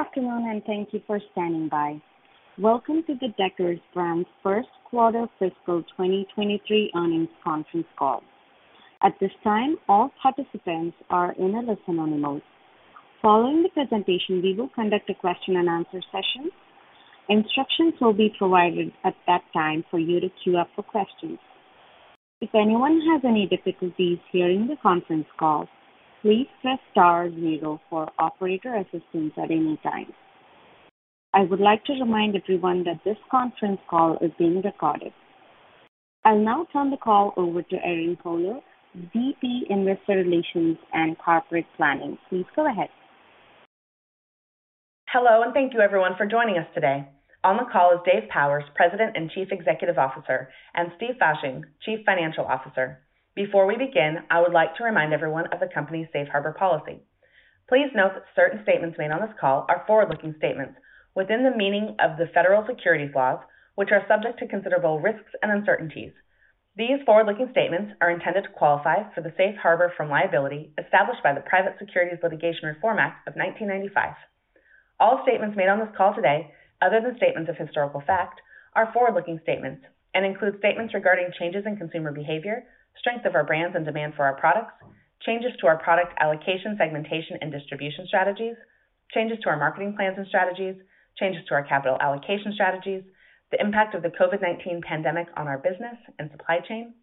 Good afternoon, and thank you for standing by. Welcome to the Deckers Brands' first quarter fiscal 2023 earnings conference call. At this time, all participants are in a listen-only mode. Following the presentation, we will conduct a question-and-answer session. Instructions will be provided at that time for you to queue up for questions. If anyone has any difficulties hearing the conference call, please press star zero for operator assistance at any time. I would like to remind everyone that this conference call is being recorded. I'll now turn the call over to Erinn Kohler, VP, Investor Relations and Corporate Planning. Please go ahead. Hello, and thank you everyone for joining us today. On the call is Dave Powers, President and Chief Executive Officer, and Steve Fasching, Chief Financial Officer. Before we begin, I would like to remind everyone of the company's safe harbor policy. Please note that certain statements made on this call are forward-looking statements within the meaning of the federal securities laws, which are subject to considerable risks and uncertainties. These forward-looking statements are intended to qualify for the safe harbor from liability established by the Private Securities Litigation Reform Act of 1995. All statements made on this call today, other than statements of historical fact, are forward-looking statements and include statements regarding changes in consumer behavior, strength of our brands and demand for our products, changes to our product allocation, segmentation, and distribution strategies, changes to our marketing plans and strategies, changes to our capital allocation strategies, the impact of the COVID-19 pandemic on our business and supply chain,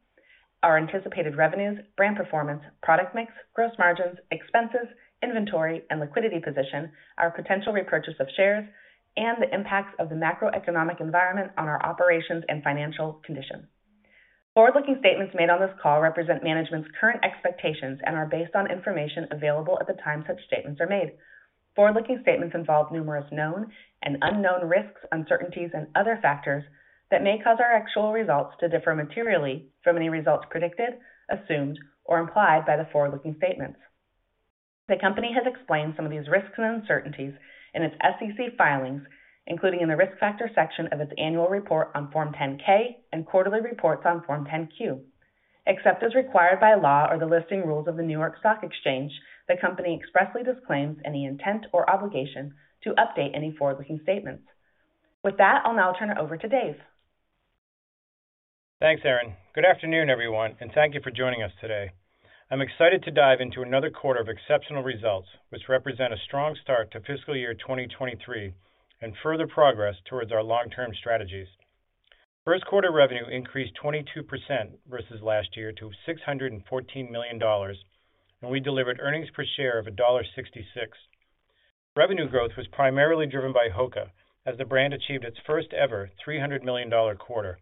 our anticipated revenues, brand performance, product mix, gross margins, expenses, inventory, and liquidity position, our potential repurchase of shares, and the impacts of the macroeconomic environment on our operations and financial condition. Forward-looking statements made on this call represent management's current expectations and are based on information available at the time such statements are made. Forward-looking statements involve numerous known and unknown risks, uncertainties, and other factors that may cause our actual results to differ materially from any results predicted, assumed, or implied by the forward-looking statements. The company has explained some of these risks and uncertainties in its SEC filings, including in the Risk Factors section of its annual report on Form 10-K and quarterly reports on Form 10-Q. Except as required by law or the listing rules of the New York Stock Exchange, the company expressly disclaims any intent or obligation to update any forward-looking statements. With that, I'll now turn it over to Dave. Thanks, Erinn. Good afternoon, everyone, and thank you for joining us today. I'm excited to dive into another quarter of exceptional results, which represent a strong start to fiscal year 2023 and further progress towards our long-term strategies. First quarter revenue increased 22% versus last year to $614 million, and we delivered earnings per share of $1.66. Revenue growth was primarily driven by HOKA as the brand achieved its first-ever $300 million quarter.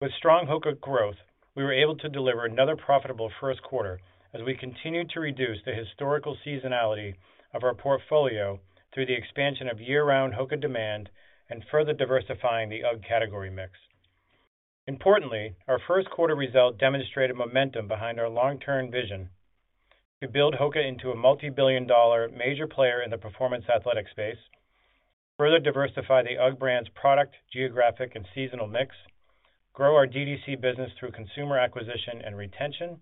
With strong HOKA growth, we were able to deliver another profitable first quarter as we continued to reduce the historical seasonality of our portfolio through the expansion of year-round HOKA demand and further diversifying the UGG category mix. Importantly, our first quarter result demonstrated momentum behind our long-term vision to build HOKA into a multi-billion dollar major player in the performance athletic space, further diversify the UGG brand's product, geographic, and seasonal mix, grow our DTC business through consumer acquisition and retention,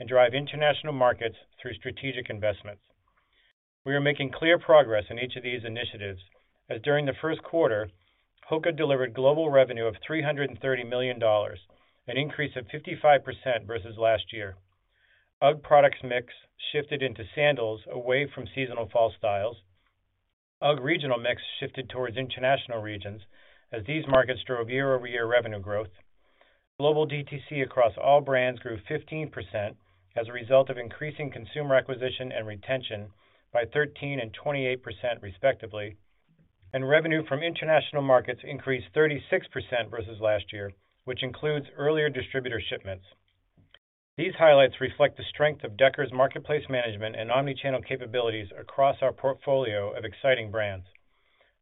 and drive international markets through strategic investments. We are making clear progress in each of these initiatives as during the first quarter, HOKA delivered global revenue of $330 million, an increase of 55% versus last year. UGG product mix shifted into sandals away from seasonal fall styles. UGG regional mix shifted towards international regions as these markets drove year-over-year revenue growth. Global DTC across all brands grew 15% as a result of increasing consumer acquisition and retention by 13% and 28% respectively, and revenue from international markets increased 36% versus last year, which includes earlier distributor shipments. These highlights reflect the strength of Deckers' marketplace management and omni-channel capabilities across our portfolio of exciting brands.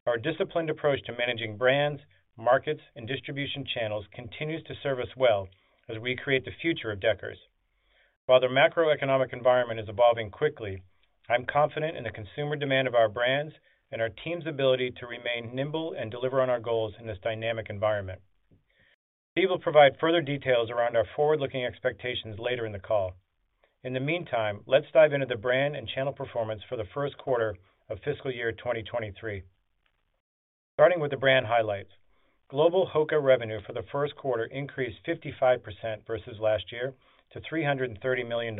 Our disciplined approach to managing brands, markets, and distribution channels continues to serve us well as we create the future of Deckers. While the macroeconomic environment is evolving quickly, I'm confident in the consumer demand of our brands and our team's ability to remain nimble and deliver on our goals in this dynamic environment. Steve will provide further details around our forward-looking expectations later in the call. In the meantime, let's dive into the brand and channel performance for the first quarter of fiscal year 2023. Starting with the brand highlights. Global HOKA revenue for the first quarter increased 55% versus last year to $330 million.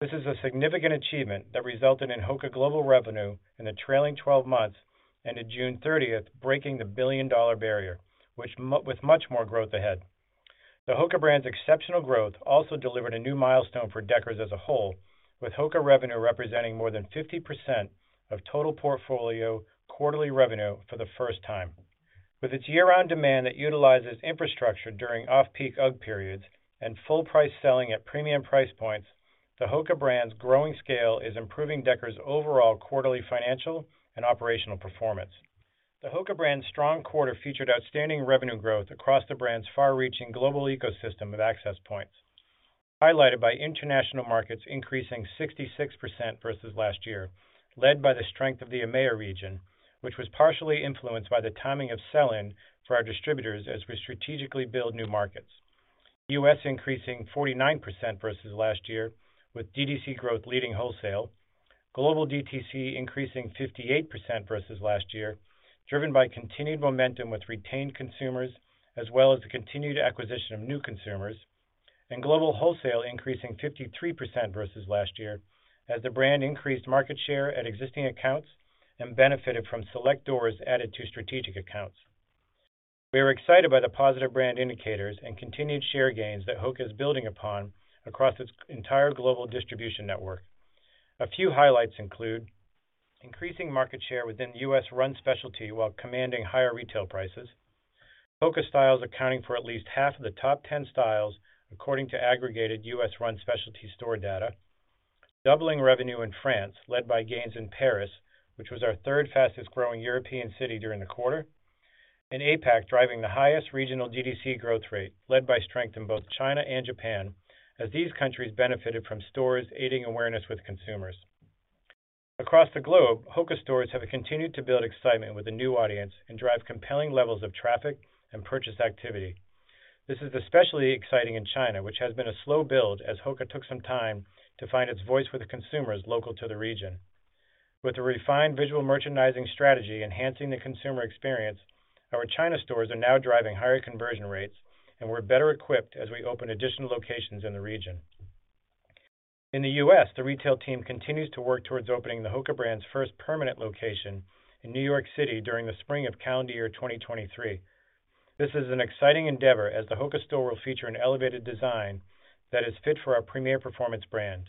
This is a significant achievement that resulted in HOKA global revenue in the trailing twelve months and in June thirtieth breaking the billion-dollar barrier, with much more growth ahead. The HOKA brand's exceptional growth also delivered a new milestone for Deckers as a whole, with HOKA revenue representing more than 50% of total portfolio quarterly revenue for the first time. With its year-round demand that utilizes infrastructure during off-peak UGG periods and full price selling at premium price points, the HOKA brand's growing scale is improving Deckers' overall quarterly financial and operational performance. The HOKA brand's strong quarter featured outstanding revenue growth across the brand's far-reaching global ecosystem of access points, highlighted by international markets increasing 66% versus last year, led by the strength of the EMEA region, which was partially influenced by the timing of sell-in for our distributors as we strategically build new markets. U.S. increasing 49% versus last year, with DTC growth leading wholesale. Global DTC increasing 58% versus last year, driven by continued momentum with retained consumers as well as the continued acquisition of new consumers. Global wholesale increasing 53% versus last year as the brand increased market share at existing accounts and benefited from select doors added to strategic accounts. We are excited by the positive brand indicators and continued share gains that HOKA is building upon across its entire global distribution network. A few highlights include increasing market share within U.S. Run Specialty while commanding higher retail prices. HOKA styles accounting for at least half of the top 10 styles according to aggregated U.S. Run Specialty store data. Doubling revenue in France led by gains in Paris, which was our third fastest growing European city during the quarter. APAC driving the highest regional D2C growth rate led by strength in both China and Japan as these countries benefited from stores aiding awareness with consumers. Across the globe, HOKA stores have continued to build excitement with the new audience and drive compelling levels of traffic and purchase activity. This is especially exciting in China, which has been a slow build as HOKA took some time to find its voice with the consumers local to the region. With the refined visual merchandising strategy enhancing the consumer experience, our China stores are now driving higher conversion rates, and we're better equipped as we open additional locations in the region. In the U.S., the retail team continues to work towards opening the HOKA brand's first permanent location in New York City during the spring of calendar year 2023. This is an exciting endeavor as the HOKA store will feature an elevated design that is fit for our premier performance brand.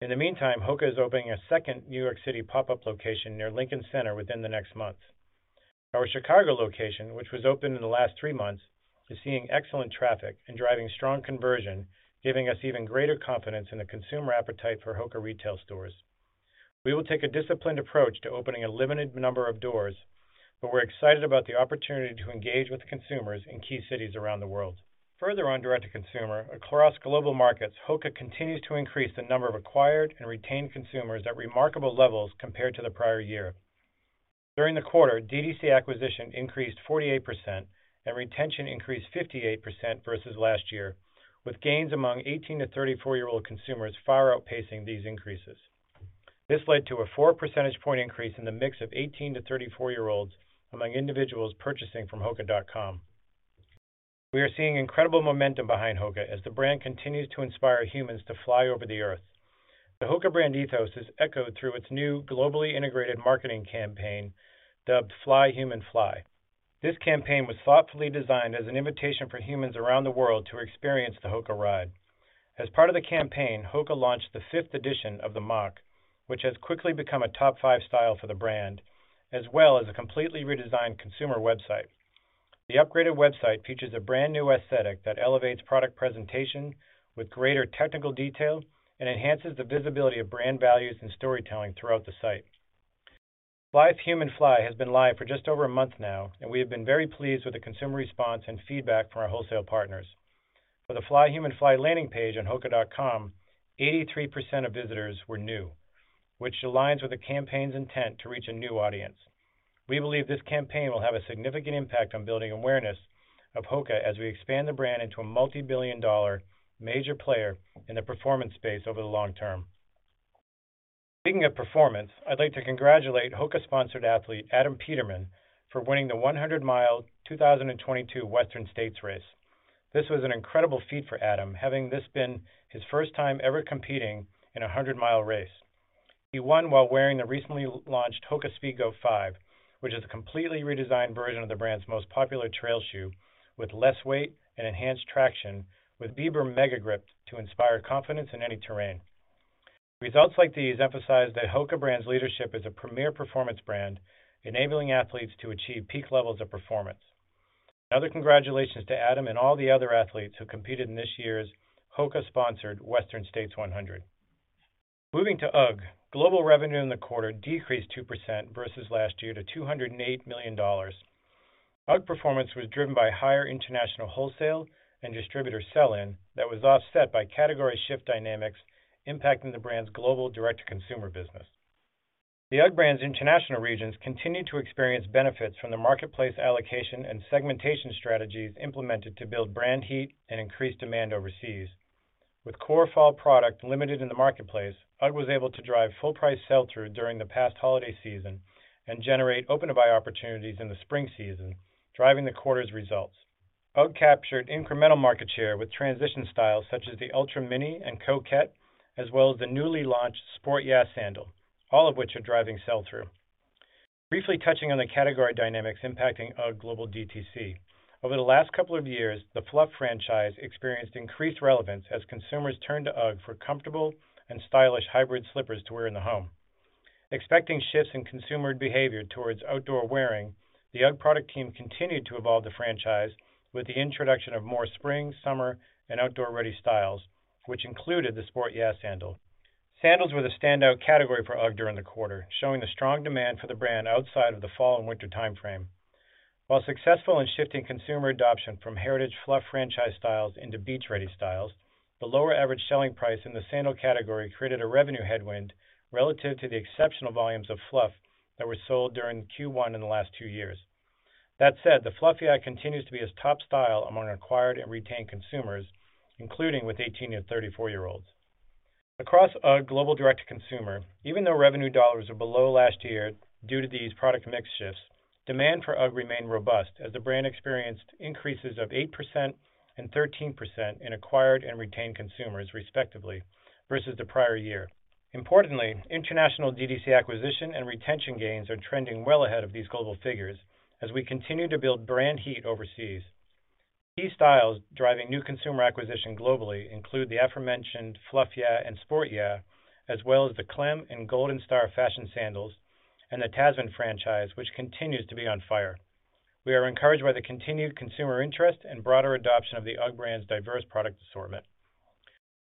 In the meantime, HOKA is opening a second New York City pop-up location near Lincoln Center within the next months. Our Chicago location, which was opened in the last three months, is seeing excellent traffic and driving strong conversion, giving us even greater confidence in the consumer appetite for HOKA retail stores. We will take a disciplined approach to opening a limited number of doors, but we're excited about the opportunity to engage with consumers in key cities around the world. Further on direct-to-consumer, across global markets, HOKA continues to increase the number of acquired and retained consumers at remarkable levels compared to the prior year. During the quarter, DTC acquisition increased 48% and retention increased 58% versus last year, with gains among 18–34-year-old consumers far outpacing these increases. This led to a four percentage point increase in the mix of 18–34-year-olds among individuals purchasing from HOKA.com. We are seeing incredible momentum behind HOKA as the brand continues to inspire humans to fly over the earth. The HOKA brand ethos is echoed through its new globally integrated marketing campaign dubbed Fly Human Fly. This campaign was thoughtfully designed as an invitation for humans around the world to experience the HOKA ride. As part of the campaign, HOKA launched the fifth edition of the Mach, which has quickly become a top five style for the brand, as well as a completely redesigned consumer website. The upgraded website features a brand new aesthetic that elevates product presentation with greater technical detail and enhances the visibility of brand values and storytelling throughout the site. Fly Human Fly has been live for just over a month now, and we have been very pleased with the consumer response and feedback from our wholesale partners. With the Fly Human Fly landing page on HOKA.com, 83% of visitors were new, which aligns with the campaign's intent to reach a new audience. We believe this campaign will have a significant impact on building awareness of HOKA as we expand the brand into a multi-billion dollar major player in the performance space over the long term. Speaking of performance, I'd like to congratulate HOKA sponsored athlete Adam Peterman for winning the 100-mile 2022 Western States race. This was an incredible feat for Adam, having this been his first time ever competing in a 100-mile race. He won while wearing the recently launched HOKA Speedgoat five, which is a completely redesigned version of the brand's most popular trail shoe with less weight and enhanced traction with Vibram Megagrip to inspire confidence in any terrain. Results like these emphasize that HOKA brand's leadership is a premier performance brand, enabling athletes to achieve peak levels of performance. Another congratulations to Adam and all the other athletes who competed in this year's HOKA-sponsored Western States 100. Moving to UGG. Global revenue in the quarter decreased 2% versus last year to $208 million. UGG performance was driven by higher international wholesale and distributor sell-in that was offset by category shift dynamics impacting the brand's global direct-to-consumer business. The UGG brand's international regions continued to experience benefits from the marketplace allocation and segmentation strategies implemented to build brand heat and increase demand overseas. With core fall product limited in the marketplace, UGG was able to drive full-price sell-through during the past holiday season and generate open-to-buy opportunities in the spring season, driving the quarter's results. UGG captured incremental market share with transition styles such as the Ultra Mini and Coquette, as well as the newly launched Sport Yeah sandal, all of which are driving sell-through. Briefly touching on the category dynamics impacting UGG global DTC. Over the last couple of years, the Fluff franchise experienced increased relevance as consumers turned to UGG for comfortable and stylish hybrid slippers to wear in the home. Expecting shifts in consumer behavior towards outdoor wearing, the UGG product team continued to evolve the franchise with the introduction of more spring, summer, and outdoor ready styles, which included the Sport Yeah sandal. Sandals were the standout category for UGG during the quarter, showing the strong demand for the brand outside of the fall and winter timeframe. While successful in shifting consumer adoption from heritage Fluff franchise styles into beach ready styles. The lower average selling price in the sandal category created a revenue headwind relative to the exceptional volumes of Fluff that were sold during Q1 in the last two years. That said, the Fluff Yeah continues to be a top style among acquired and retained consumers, including with 18-34-year-olds. Across UGG global direct-to-consumer, even though revenue dollars are below last year due to these product mix shifts, demand for UGG remained robust as the brand experienced increases of 8% and 13% in acquired and retained consumers, respectively, versus the prior year. Importantly, international D2C acquisition and retention gains are trending well ahead of these global figures as we continue to build brand heat overseas. Key styles driving new consumer acquisition globally include the aforementioned Fluff Yeah and Sport Yeah, as well as the Clem and Goldenstar fashion sandals and the Tasman franchise, which continues to be on fire. We are encouraged by the continued consumer interest and broader adoption of the UGG brand's diverse product assortment.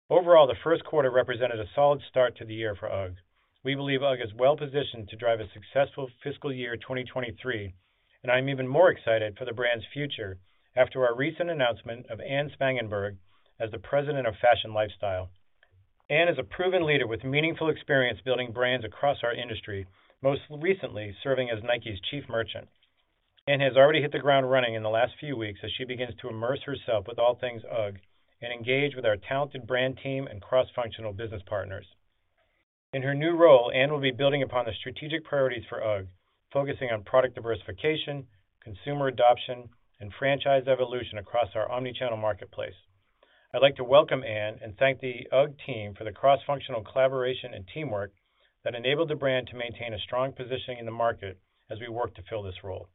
Overall, the first quarter represented a solid start to the year for UGG. We believe UGG is well-positioned to drive a successful fiscal year 2023, and I'm even more excited for the brand's future after our recent announcement of Anne Spangenberg as the President of Fashion Lifestyle. Anne is a proven leader with meaningful experience building brands across our industry, most recently serving as Nike's Chief Merchant. Anne has already hit the ground running in the last few weeks as she begins to immerse herself with all things UGG and engage with our talented brand team and cross-functional business partners. In her new role, Anne will be building upon the strategic priorities for UGG, focusing on product diversification, consumer adoption, and franchise evolution across our omni-channel marketplace. I'd like to welcome Anne and thank the UGG team for the cross-functional collaboration and teamwork that enabled the brand to maintain a strong positioning in the market as we work to fill this role.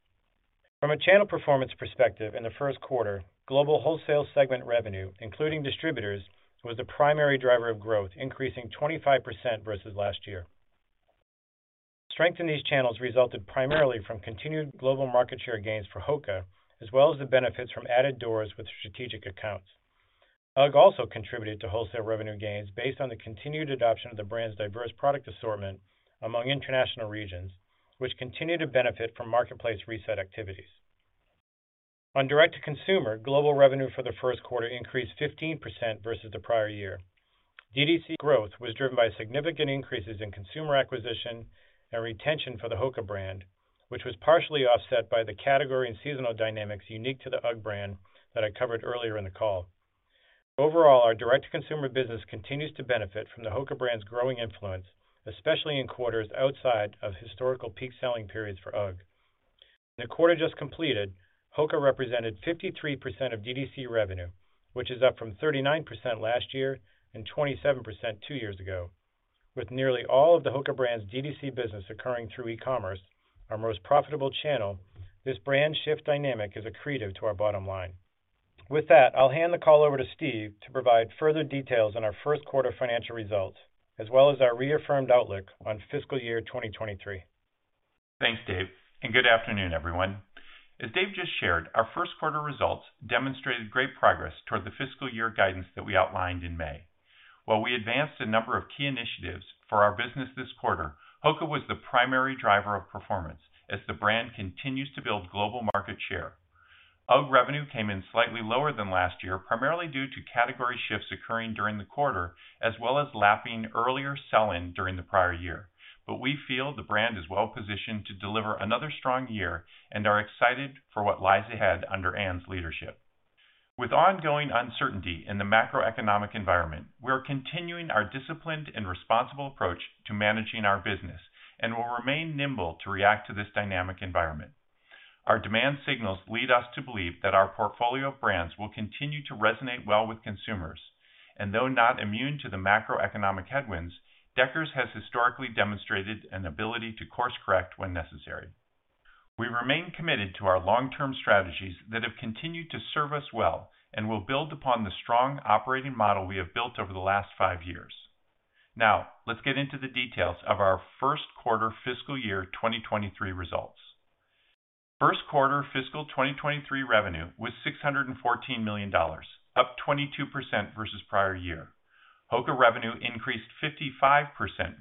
From a channel performance perspective in the first quarter, global wholesale segment revenue, including distributors, was the primary driver of growth, increasing 25% versus last year. Strength in these channels resulted primarily from continued global market share gains for HOKA, as well as the benefits from added doors with strategic accounts. UGG also contributed to wholesale revenue gains based on the continued adoption of the brand's diverse product assortment among international regions, which continue to benefit from marketplace reset activities. On direct-to-consumer, global revenue for the first quarter increased 15% versus the prior year. D2C growth was driven by significant increases in consumer acquisition and retention for the HOKA brand, which was partially offset by the category and seasonal dynamics unique to the UGG brand that I covered earlier in the call. Overall, our direct-to-consumer business continues to benefit from the HOKA brand's growing influence, especially in quarters outside of historical peak selling periods for UGG. In the quarter just completed, HOKA represented 53% of D2C revenue, which is up from 39% last year and 27% two years ago. With nearly all of the HOKA brand's D2C business occurring through e-commerce, our most profitable channel, this brand shift dynamic is accretive to our bottom line. With that, I'll hand the call over to Steve to provide further details on our first quarter financial results, as well as our reaffirmed outlook on fiscal year 2023. Thanks, Dave, and good afternoon, everyone. As Dave just shared, our first quarter results demonstrated great progress toward the fiscal year guidance that we outlined in May. While we advanced a number of key initiatives for our business this quarter, HOKA was the primary driver of performance as the brand continues to build global market share. UGG revenue came in slightly lower than last year, primarily due to category shifts occurring during the quarter, as well as lapping earlier sell-in during the prior year. We feel the brand is well-positioned to deliver another strong year and are excited for what lies ahead under Anne's leadership. With ongoing uncertainty in the macroeconomic environment, we are continuing our disciplined and responsible approach to managing our business and will remain nimble to react to this dynamic environment. Our demand signals lead us to believe that our portfolio of brands will continue to resonate well with consumers. Though not immune to the macroeconomic headwinds, Deckers has historically demonstrated an ability to course correct when necessary. We remain committed to our long-term strategies that have continued to serve us well and will build upon the strong operating model we have built over the last five years. Now, let's get into the details of our first quarter fiscal year 2023 results. First quarter fiscal 2023 revenue was $614 million, up 22% versus prior year. HOKA revenue increased 55%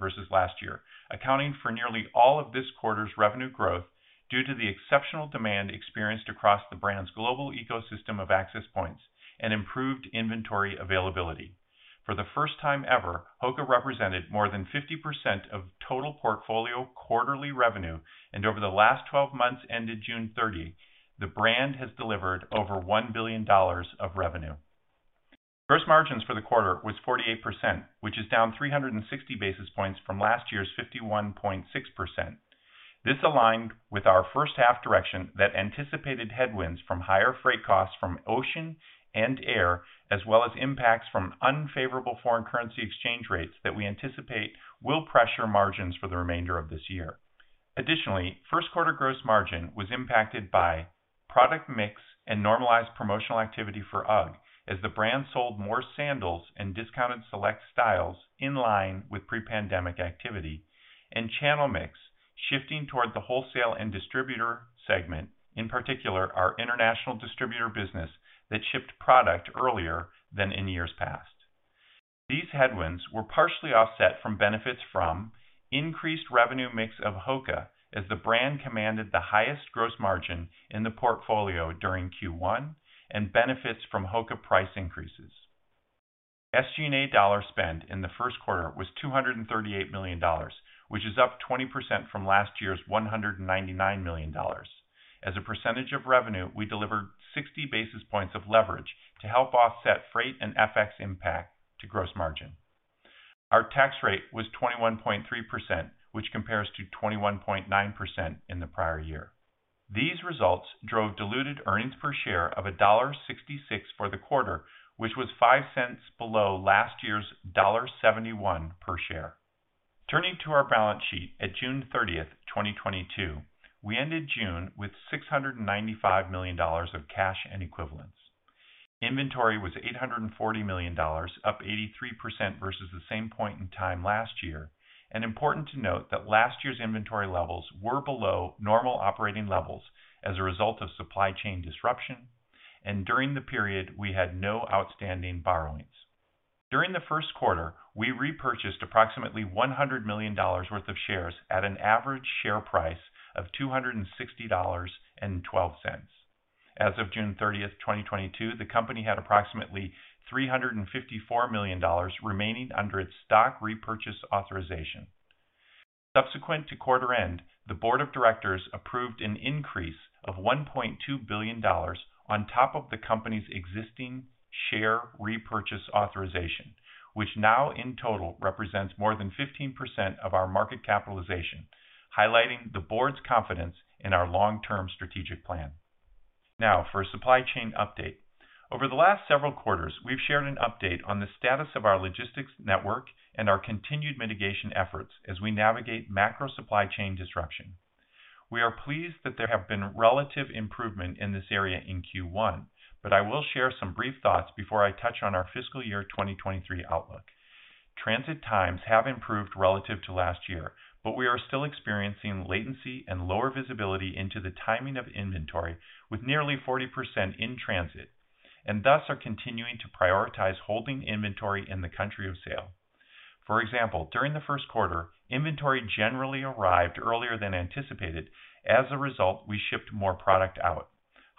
versus last year, accounting for nearly all of this quarter's revenue growth due to the exceptional demand experienced across the brand's global ecosystem of access points and improved inventory availability. For the first time ever, HOKA represented more than 50% of total portfolio quarterly revenue, and over the last 12 months ended June 30, the brand has delivered over $1 billion of revenue. Gross margins for the quarter was 48%, which is down 360 basis points from last year's 51.6%. This aligned with our first half direction that anticipated headwinds from higher freight costs from ocean and air, as well as impacts from unfavorable foreign currency exchange rates that we anticipate will pressure margins for the remainder of this year. First quarter gross margin was impacted by product mix and normalized promotional activity for UGG as the brand sold more sandals and discounted select styles in line with pre-pandemic activity and channel mix shifting toward the wholesale and distributor segment, in particular our international distributor business that shipped product earlier than in years past. These headwinds were partially offset from benefits from increased revenue mix of HOKA as the brand commanded the highest gross margin in the portfolio during Q1 and benefits from HOKA price increases. SG&A dollar spend in the first quarter was $238 million, which is up 20% from last year's $199 million. As a percentage of revenue, we delivered 60 basis points of leverage to help offset freight and FX impact to gross margin. Our tax rate was 21.3%, which compares to 21.9% in the prior year. These results drove diluted earnings per share of $1.66 for the quarter, which was $0.05 below last year's $1.71 per share. Turning to our balance sheet at June 30, 2022. We ended June with $695 million of cash and equivalents. Inventory was $840 million, up 83% versus the same point in time last year. Important to note that last year's inventory levels were below normal operating levels as a result of supply chain disruption. During the period, we had no outstanding borrowings. During the first quarter, we repurchased approximately $100 million worth of shares at an average share price of $260.12. As of June 30th, 2022, the company had approximately $354 million remaining under its stock repurchase authorization. Subsequent to quarter end, the board of directors approved an increase of $1.2 billion on top of the company's existing share repurchase authorization, which now in total represents more than 15% of our market capitalization, highlighting the board's confidence in our long-term strategic plan. Now for a supply chain update. Over the last several quarters, we've shared an update on the status of our logistics network and our continued mitigation efforts as we navigate macro supply chain disruption. We are pleased that there have been relative improvement in this area in Q1, but I will share some brief thoughts before I touch on our fiscal year 2023 outlook. Transit times have improved relative to last year, but we are still experiencing latency and lower visibility into the timing of inventory with nearly 40% in transit, and thus are continuing to prioritize holding inventory in the country of sale. For example, during the first quarter, inventory generally arrived earlier than anticipated. As a result, we shipped more product out.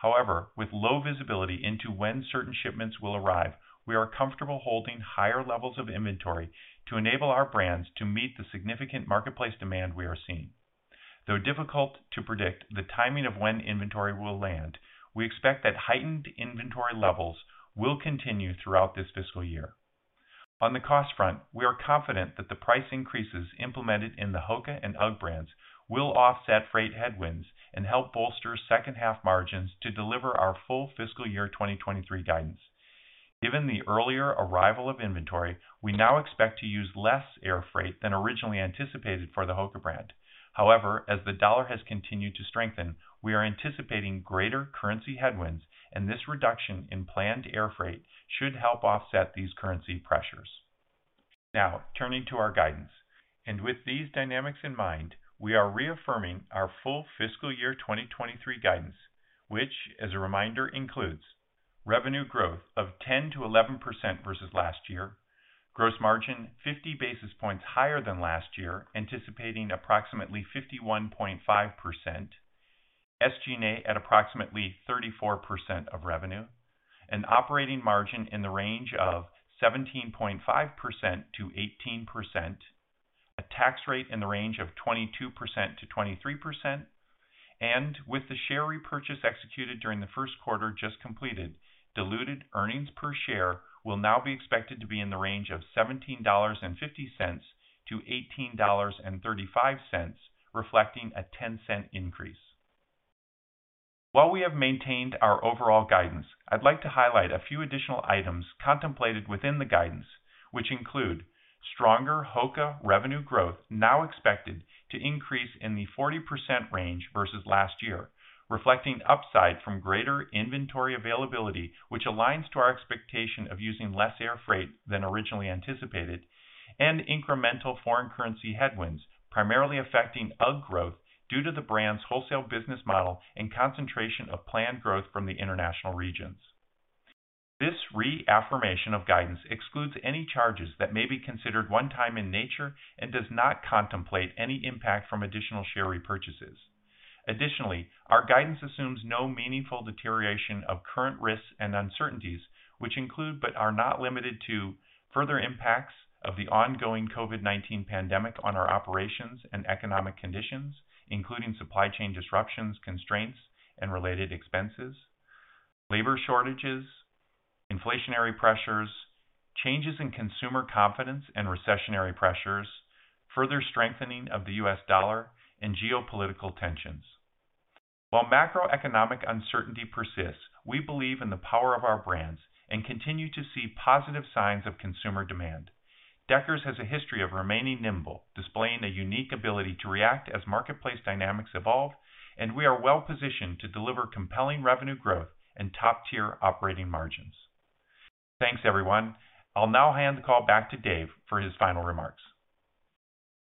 However, with low visibility into when certain shipments will arrive, we are comfortable holding higher levels of inventory to enable our brands to meet the significant marketplace demand we are seeing. Though difficult to predict the timing of when inventory will land, we expect that heightened inventory levels will continue throughout this fiscal year. On the cost front, we are confident that the price increases implemented in the HOKA and UGG brands will offset freight headwinds and help bolster second half margins to deliver our full fiscal year 2023 guidance. Given the earlier arrival of inventory, we now expect to use less air freight than originally anticipated for the HOKA brand. However, as the dollar has continued to strengthen, we are anticipating greater currency headwinds, and this reduction in planned air freight should help offset these currency pressures. Now turning to our guidance. With these dynamics in mind, we are reaffirming our full fiscal year 2023 guidance, which as a reminder includes revenue growth of 10%-11% versus last year, gross margin 50 basis points higher than last year, anticipating approximately 51.5%, SG&A at approximately 34% of revenue, an operating margin in the range of 17.5%-18%, a tax rate in the range of 22%-23%, and with the share repurchase executed during the first quarter just completed, diluted earnings per share will now be expected to be in the range of $17.50-$18.35, reflecting a $0.10 increase. While we have maintained our overall guidance, I'd like to highlight a few additional items contemplated within the guidance, which include stronger HOKA revenue growth now expected to increase in the 40% range versus last year, reflecting upside from greater inventory availability, which aligns to our expectation of using less air freight than originally anticipated, and incremental foreign currency headwinds primarily affecting UGG growth due to the brand's wholesale business model and concentration of planned growth from the international regions. This reaffirmation of guidance excludes any charges that may be considered one-time in nature and does not contemplate any impact from additional share repurchases. Additionally, our guidance assumes no meaningful deterioration of current risks and uncertainties, which include, but are not limited to further impacts of the ongoing COVID-19 pandemic on our operations and economic conditions, including supply chain disruptions, constraints, and related expenses, labor shortages, inflationary pressures, changes in consumer confidence and recessionary pressures, further strengthening of the U.S. dollar and geopolitical tensions. While macroeconomic uncertainty persists, we believe in the power of our brands and continue to see positive signs of consumer demand. Deckers has a history of remaining nimble, displaying a unique ability to react as marketplace dynamics evolve, and we are well positioned to deliver compelling revenue growth and top tier operating margins. Thanks everyone. I'll now hand the call back to Dave for his final remarks.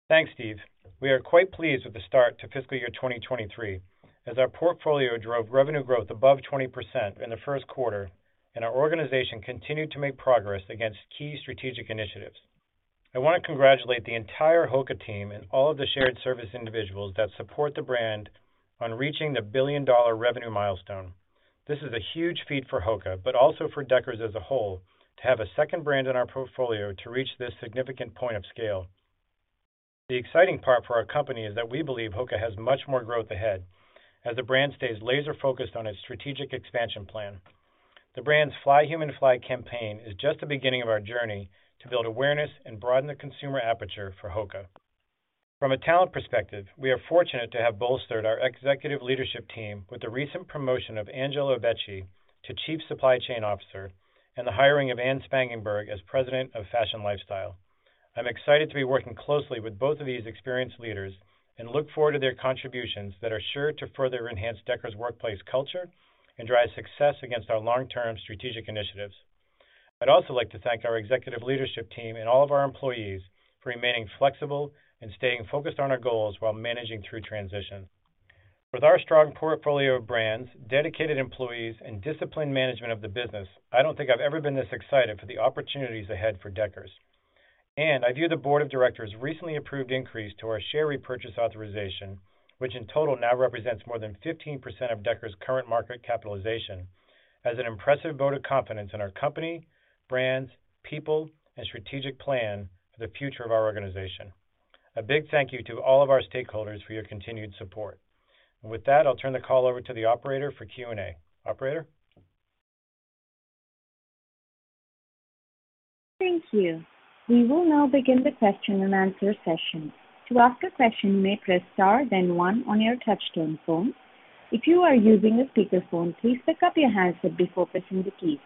Thanks, Steve. We are quite pleased with the start to fiscal year 2023, as our portfolio drove revenue growth above 20% in the first quarter, and our organization continued to make progress against key strategic initiatives. I wanna congratulate the entire HOKA team and all of the shared service individuals that support the brand on reaching the billion-dollar revenue milestone. This is a huge feat for HOKA, but also for Deckers as a whole, to have a second brand in our portfolio to reach this significant point of scale. The exciting part for our company is that we believe HOKA has much more growth ahead as the brand stays laser-focused on its strategic expansion plan. The brand's Fly Human Fly campaign is just the beginning of our journey to build awareness and broaden the consumer aperture for HOKA. From a talent perspective, we are fortunate to have bolstered our executive leadership team with the recent promotion of Angela Ogbechie to Chief Supply Chain Officer and the hiring of Anne Spangenberg as President of Fashion Lifestyle. I'm excited to be working closely with both of these experienced leaders and look forward to their contributions that are sure to further enhance Deckers workplace culture and drive success against our long-term strategic initiatives. I'd also like to thank our executive leadership team and all of our employees for remaining flexible and staying focused on our goals while managing through transitions. With our strong portfolio of brands, dedicated employees, and disciplined management of the business, I don't think I've ever been this excited for the opportunities ahead for Deckers. I view the board of directors' recently approved increase to our share repurchase authorization, which in total now represents more than 15% of Deckers' current market capitalization, as an impressive vote of confidence in our company, brands, people, and strategic plan for the future of our organization. A big thank you to all of our stakeholders for your continued support. With that, I'll turn the call over to the operator for Q&A. Operator? Thank you. We will now begin the question-and-answer session. To ask a question, you may press Star, then one on your touchtone phone. If you are using a speakerphone, please pick up your handset before pressing the keys.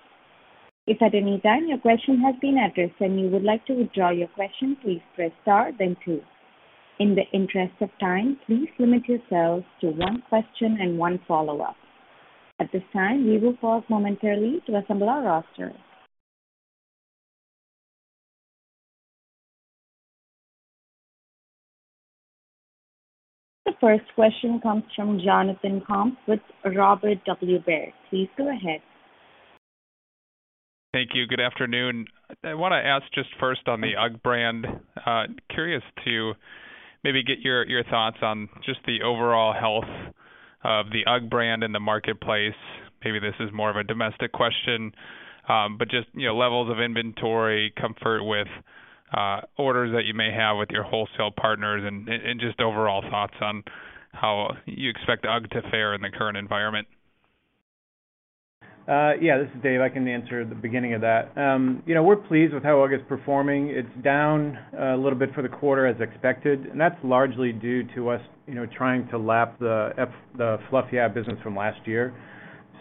If at any time your question has been addressed and you would like to withdraw your question, please press Star then two. In the interest of time, please limit yourselves to one question and one follow-up. At this time, we will pause momentarily to assemble our roster. The first question comes from Jonathan Komp with Robert W. Baird. Please go ahead. Thank you. Good afternoon. I wanna ask just first on the UGG brand. Curious to maybe get your thoughts on just the overall health of the UGG brand in the marketplace. Maybe this is more of a domestic question, but just, you know, levels of inventory, comfort with orders that you may have with your wholesale partners, and just overall thoughts on how you expect UGG to fare in the current environment. Yeah, this is Dave. I can answer the beginning of that. You know, we're pleased with how UGG is performing. It's down a little bit for the quarter as expected, and that's largely due to us, you know, trying to lap the Fluff Yeah business from last year.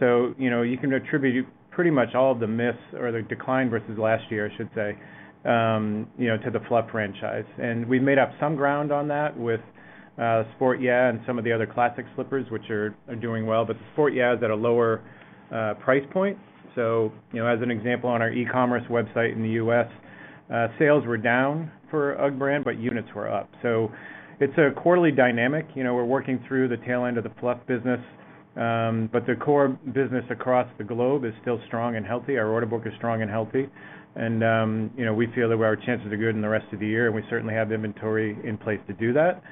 You can attribute pretty much all of the miss or the decline versus last year, I should say, you know, to the Fluff franchise. We've made up some ground on that with Sport Yeah and some of the other classic slippers, which are doing well. The Sport Yeah is at a lower price point. You know, as an example, on our e-commerce website in the U.S., sales were down for UGG brand, but units were up. It's a quarterly dynamic. You know, we're working through the tail end of the Fluff business, but the core business across the globe is still strong and healthy. Our order book is strong and healthy, and, you know, we feel that our chances are good in the rest of the year, and we certainly have the inventory in place to do that.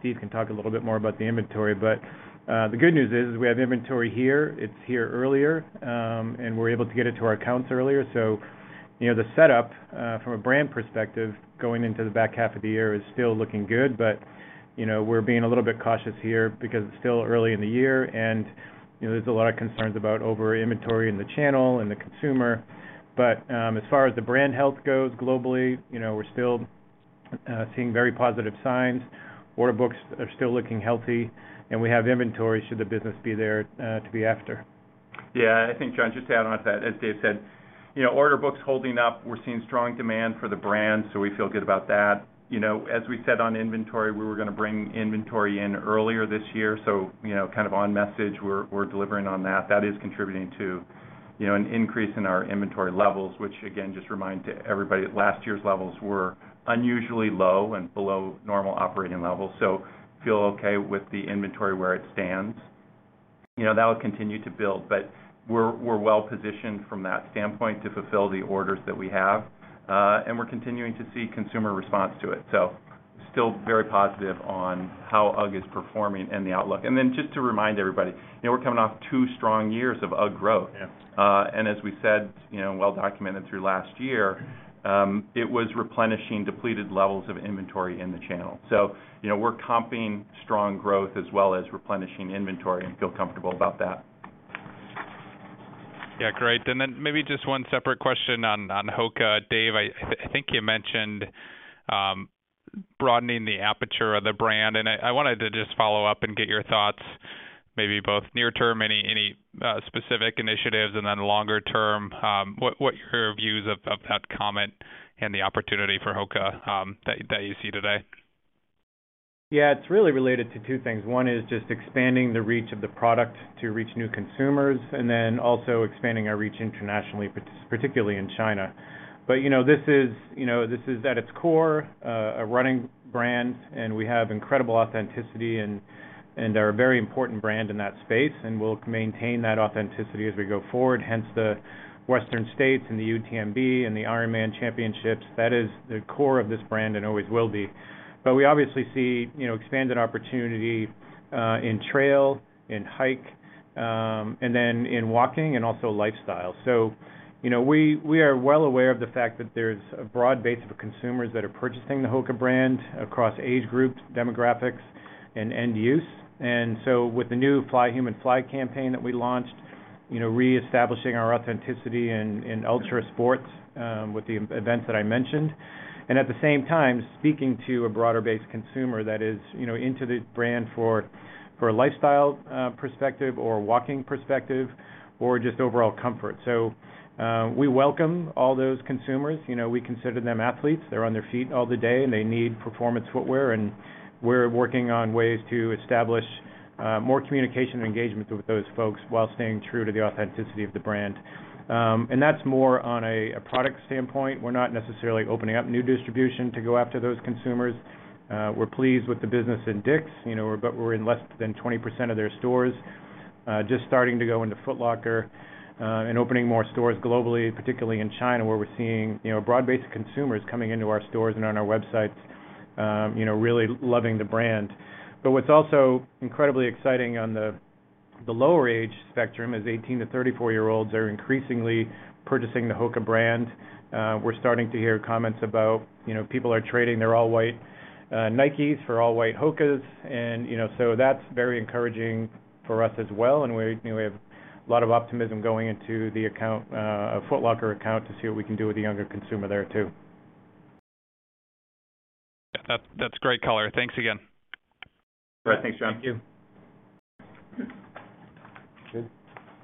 Steve can talk a little bit more about the inventory, but the good news is we have inventory here. It's here earlier, and we're able to get it to our accounts earlier. You know, the setup from a brand perspective, going into the back half of the year is still looking good. You know, we're being a little bit cautious here because it's still early in the year and, you know, there's a lot of concerns about over-inventory in the channel and the consumer. As far as the brand health goes globally, you know, we're still seeing very positive signs. Order books are still looking healthy, and we have inventory should the business be there to be after. Yeah, I think, John, just to add on to that, as Dave said, you know, order books holding up. We're seeing strong demand for the brand, so we feel good about that. You know, as we said on inventory, we were gonna bring inventory in earlier this year, so you know, kind of on message, we're delivering on that. That is contributing to, you know, an increase in our inventory levels, which again, just a reminder to everybody, last year's levels were unusually low and below normal operating levels. Feel okay with the inventory where it stands. You know, that will continue to build, but we're well positioned from that standpoint to fulfill the orders that we have, and we're continuing to see consumer response to it. Still very positive on how UGG is performing and the outlook. Just to remind everybody, you know, we're coming off two strong years of UGG growth. Yeah. As we said, you know, well documented through last year, it was replenishing depleted levels of inventory in the channel. You know, we're comping strong growth as well as replenishing inventory and feel comfortable about that. Yeah, great. Then maybe just one separate question on HOKA. Dave, I think you mentioned broadening the aperture of the brand, and I wanted to just follow up and get your thoughts maybe both near term, any specific initiatives, and then longer term, what your views of that comment and the opportunity for HOKA that you see today? Yeah, it's really related to two things. One is just expanding the reach of the product to reach new consumers, and then also expanding our reach internationally, particularly in China. You know, this is, you know, this is at its core a running brand, and we have incredible authenticity and are a very important brand in that space, and we'll maintain that authenticity as we go forward. Hence the Western States, and the UTMB, and the Ironman Championships. That is the core of this brand and always will be. We obviously see, you know, expanded opportunity in trail, in hike, and then in walking and also lifestyle. You know, we are well aware of the fact that there's a broad base of consumers that are purchasing the HOKA brand across age groups, demographics and end use. With the new Fly Human Fly campaign that we launched, you know, reestablishing our authenticity in ultra sports with the events that I mentioned, and at the same time speaking to a broader base consumer that is, you know, into the brand for a lifestyle perspective or walking perspective or just overall comfort. We welcome all those consumers, you know, we consider them athletes. They're on their feet all the day, and they need performance footwear, and we're working on ways to establish more communication and engagement with those folks while staying true to the authenticity of the brand. That's more on a product standpoint. We're not necessarily opening up new distribution to go after those consumers. We're pleased with the business in DICK'S Sporting Goods, you know, but we're in less than 20% of their stores. Just starting to go into Foot Locker and opening more stores globally, particularly in China, where we're seeing, you know, broad base of consumers coming into our stores and on our websites, you know, really loving the brand. What's also incredibly exciting on the lower age spectrum is 18-34-year-olds are increasingly purchasing the HOKA brand. We're starting to hear comments about, you know, people are trading their all-white Nikes for all-white HOKAs and, you know, so that's very encouraging for us as well. We, you know, have a lot of optimism going into the account, Foot Locker account to see what we can do with the younger consumer there too. That's great color. Thanks again. All right. Thanks, Jon. Thank you.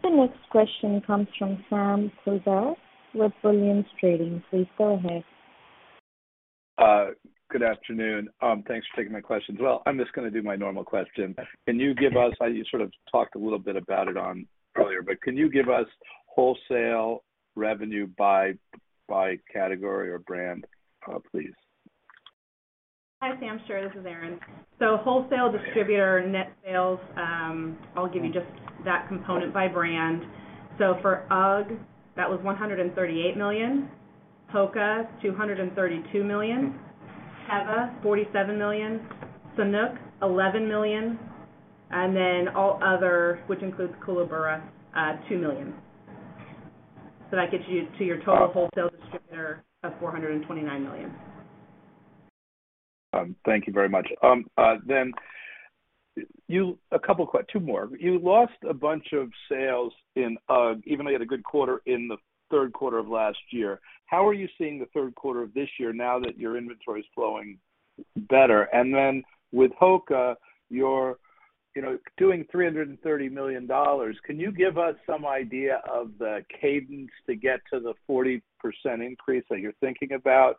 The next question comes from Sam Poser with Williams Trading. Please go ahead. Good afternoon. Thanks for taking my questions. Well, I'm just gonna do my normal question. Can you give us, you sort of talked a little bit about it on earlier, but can you give us wholesale revenue by category or brand, please? Hi, Sam. Sure, this is Erinn. Wholesale distributor net sales, I'll give you just that component by brand. For UGG, that was $138 million. HOKA, $232 million. Teva, $47 million. Sanuk, $11 million. And then all other, which includes Koolaburra, $2 million. That gets you to your total wholesale distributor of $429 million. Thank you very much. Two more. You lost a bunch of sales in UGG, even though you had a good quarter in the third quarter of last year. How are you seeing the third quarter of this year now that your inventory is flowing better? With HOKA, you're, you know, doing $330 million. Can you give us some idea of the cadence to get to the 40% increase that you're thinking about?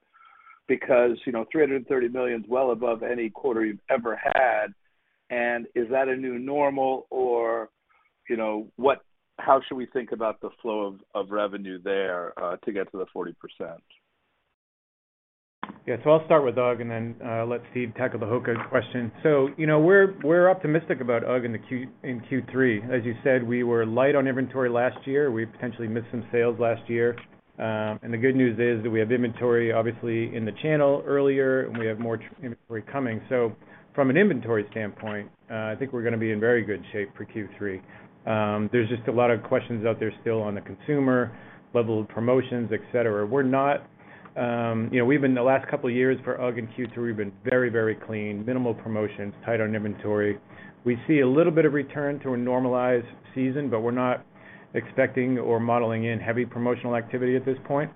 Because, you know, $330 million is well above any quarter you've ever had. Is that a new normal or, you know, how should we think about the flow of revenue there to get to the 40%? Yeah. I'll start with UGG and then let Steve tackle the HOKA question. You know, we're optimistic about UGG in Q3. As you said, we were light on inventory last year. We potentially missed some sales last year. The good news is that we have inventory, obviously, in the channel earlier, and we have more inventory coming. From an inventory standpoint, I think we're gonna be in very good shape for Q3. There's just a lot of questions out there still on the consumer, level of promotions, et cetera. We're not, you know, we've been the last couple of years for UGG in Q3, we've been very, very clean, minimal promotions, tight on inventory. We see a little bit of return to a normalized season, but we're not expecting or modeling in heavy promotional activity at this point.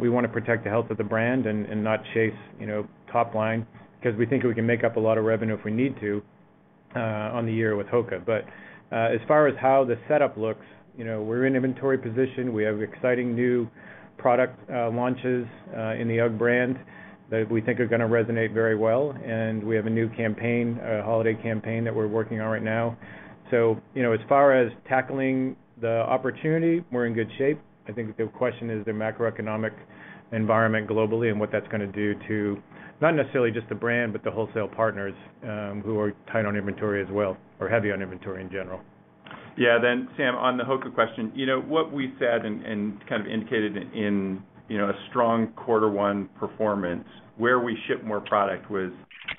We wanna protect the health of the brand and not chase, you know, top line because we think we can make up a lot of revenue if we need to on the year with HOKA. As far as how the setup looks, you know, we're in inventory position. We have exciting new product launches in the UGG brand that we think are gonna resonate very well. We have a new campaign, a holiday campaign that we're working on right now. You know, as far as tackling the opportunity, we're in good shape. I think the question is the macroeconomic environment globally and what that's gonna do to, not necessarily just the brand, but the wholesale partners, who are tight on inventory as well or heavy on inventory in general. Yeah. Sam, on the HOKA question, you know, what we said and kind of indicated in, you know, a strong quarter one performance, where we ship more product was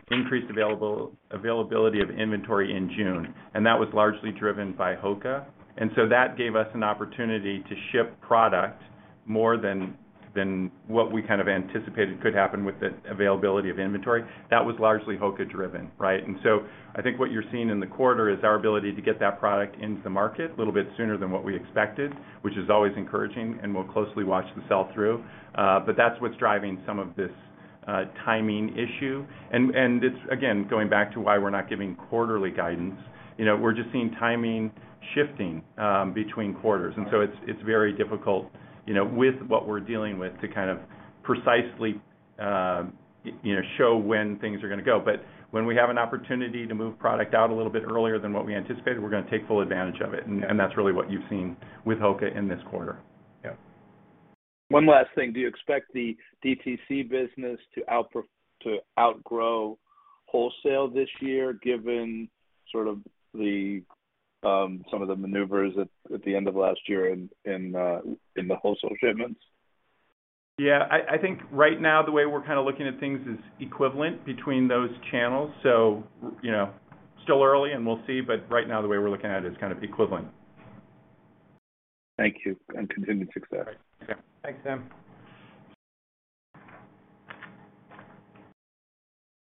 increased availability of inventory in June, and that was largely driven by HOKA. That gave us an opportunity to ship product more than what we kind of anticipated could happen with the availability of inventory. That was largely HOKA driven, right? I think what you're seeing in the quarter is our ability to get that product into the market a little bit sooner than what we expected, which is always encouraging, and we'll closely watch the sell-through. But that's what's driving some of this timing issue. It's, again, going back to why we're not giving quarterly guidance. You know, we're just seeing timing shifting between quarters. It's very difficult, you know, with what we're dealing with to kind of precisely You know, when we have an opportunity to move product out a little bit earlier than what we anticipated, we're gonna take full advantage of it, and that's really what you've seen with HOKA in this quarter. Yeah. One last thing. Do you expect the DTC business to outgrow wholesale this year, given sort of the some of the maneuvers at the end of last year in the wholesale shipments? Yeah. I think right now the way we're kind of looking at things is equivalent between those channels. You know, still early and we'll see, but right now the way we're looking at it is kind of equivalent. Thank you, and continued success. All right. Sure. Thanks, Sam.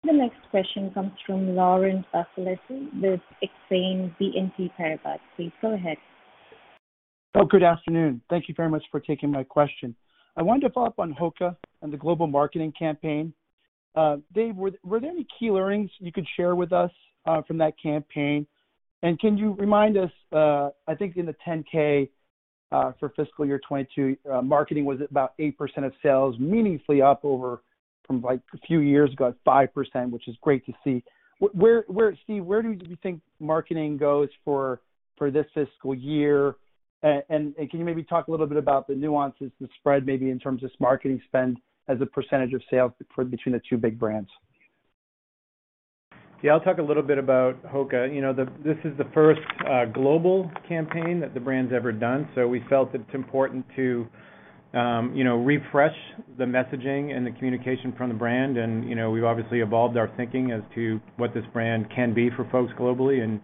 The next question comes from Laurent Vasilescu with Exane BNP Paribas. Please go ahead. Oh, good afternoon. Thank you very much for taking my question. I wanted to follow up on HOKA and the global marketing campaign. Dave, were there any key learnings you could share with us, from that campaign? Can you remind us, I think in the 10-K, for fiscal year 2022, marketing was about 8% of sales, meaningfully up over from like a few years ago at 5%, which is great to see. Steve, where do you think marketing goes for this fiscal year? And can you maybe talk a little bit about the nuances, the spread maybe in terms of marketing spend as a percentage of sales between the two big brands? Yeah, I'll talk a little bit about HOKA. You know, this is the first global campaign that the brand's ever done, so we felt it's important to, you know, refresh the messaging and the communication from the brand. You know, we've obviously evolved our thinking as to what this brand can be for folks globally.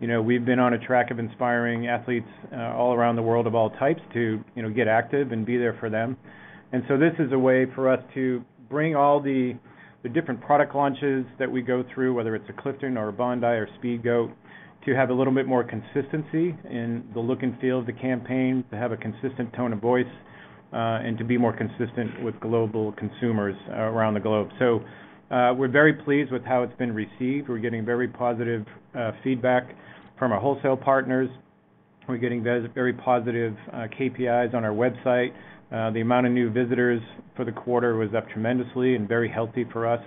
You know, we've been on a track of inspiring athletes all around the world of all types to, you know, get active and be there for them. This is a way for us to bring all the different product launches that we go through, whether it's a Clifton or a Bondi or Speedgoat, to have a little bit more consistency in the look and feel of the campaign, to have a consistent tone of voice, and to be more consistent with global consumers around the globe. We're very pleased with how it's been received. We're getting very positive feedback from our wholesale partners. We're getting very positive KPIs on our website. The amount of new visitors for the quarter was up tremendously and very healthy for us.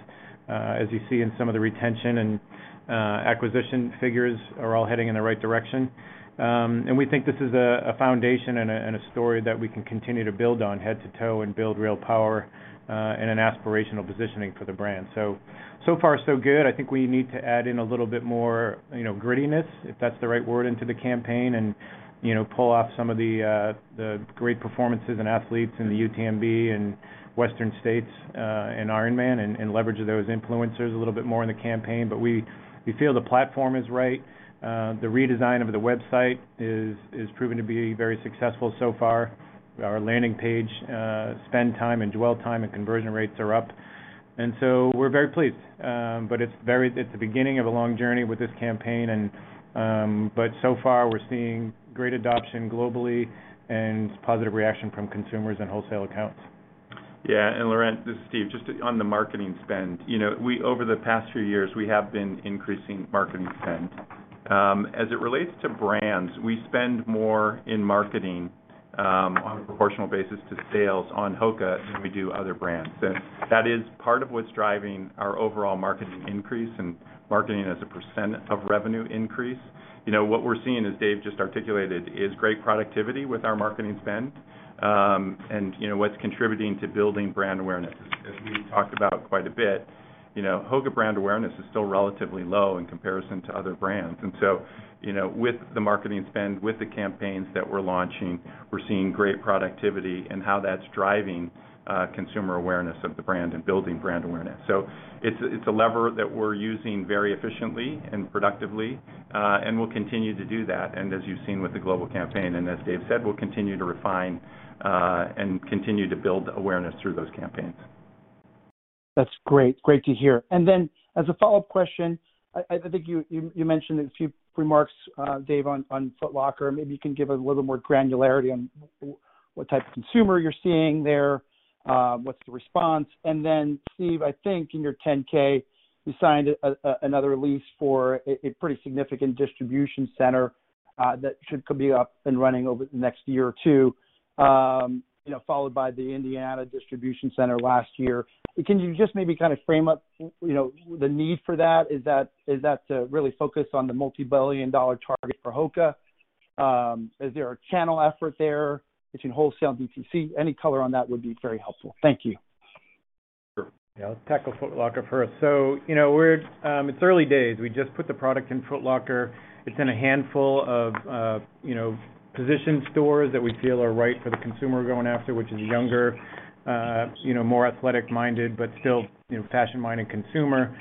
As you see in some of the retention and acquisition figures are all heading in the right direction. We think this is a foundation and a story that we can continue to build on head to toe and build real power and an aspirational positioning for the brand. So far so good. I think we need to add in a little bit more, you know, grittiness, if that's the right word, into the campaign and, you know, pull off some of the great performances and athletes in the UTMB and Western States and Ironman and leverage those influencers a little bit more in the campaign. We feel the platform is right. The redesign of the website is proving to be very successful so far. Our landing page spend time and dwell time and conversion rates are up. We're very pleased. It's at the beginning of a long journey with this campaign, and so far we're seeing great adoption globally and positive reaction from consumers and wholesale accounts. Yeah. Laurent, this is Steve. Just on the marketing spend. You know, over the past few years, we have been increasing marketing spend. As it relates to brands, we spend more in marketing, on a proportional basis to sales on HOKA than we do other brands. That is part of what's driving our overall marketing increase and marketing as a percent of revenue increase. You know, what we're seeing, as Dave just articulated, is great productivity with our marketing spend. You know, what's contributing to building brand awareness. As we talked about quite a bit, you know, HOKA brand awareness is still relatively low in comparison to other brands. You know, with the marketing spend, with the campaigns that we're launching, we're seeing great productivity and how that's driving consumer awareness of the brand and building brand awareness. It's a lever that we're using very efficiently and productively, and we'll continue to do that. As you've seen with the global campaign, and as Dave said, we'll continue to refine, and continue to build awareness through those campaigns. That's great. Great to hear. As a follow-up question, I think you mentioned a few remarks, Dave, on Foot Locker. Maybe you can give a little more granularity on what type of consumer you're seeing there, what's the response. Steve, I think in your 10-K, you signed another lease for a pretty significant distribution center that could be up and running over the next year or two, you know, followed by the Indiana distribution center last year. Can you just maybe kind of frame up, you know, the need for that? Is that to really focus on the multi-billion dollar target for HOKA? Is there a channel effort there between wholesale and DTC? Any color on that would be very helpful. Thank you. Sure. Yeah. Let's tackle Foot Locker first. You know, it's early days. We just put the product in Foot Locker. It's in a handful of, you know, position stores that we feel are right for the consumer we're going after, which is younger, you know, more athletic-minded, but still, you know, fashion-minded consumer,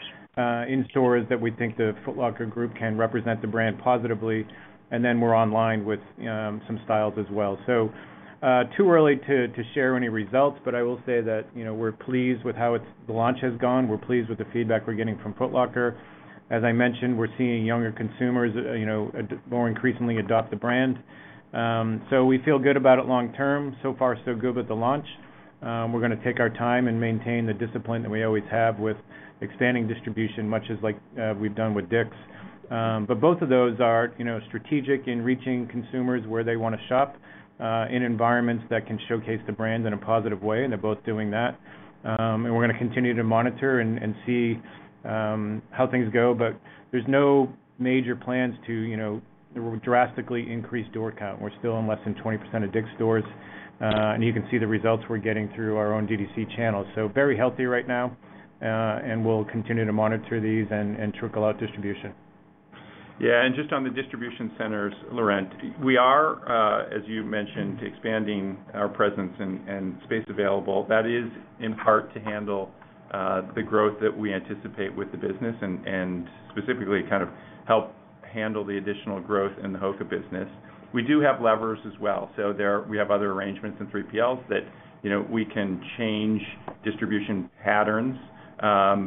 in stores that we think the Foot Locker group can represent the brand positively, and then we're online with some styles as well. Too early to share any results, but I will say that, you know, we're pleased with how the launch has gone. We're pleased with the feedback we're getting from Foot Locker. As I mentioned, we're seeing younger consumers, you know, more increasingly adopt the brand. We feel good about it long term. So far so good with the launch. We're gonna take our time and maintain the discipline that we always have with expanding distribution, much as like we've done with DICK'S. Both of those are, you know, strategic in reaching consumers where they wanna shop, in environments that can showcase the brands in a positive way, and they're both doing that. We're gonna continue to monitor and see how things go. There's no major plans to, you know, drastically increase door count. We're still in less than 20% of Dick's stores, and you can see the results we're getting through our own DTC channels. Very healthy right now, and we'll continue to monitor these and trickle out distribution. Yeah. Just on the distribution centers, Laurent. We are, as you mentioned, expanding our presence and space available. That is in part to handle the growth that we anticipate with the business and specifically kind of help handle the additional growth in the HOKA business. We do have levers as well. We have other arrangements and 3PLs that, you know, we can change distribution patterns,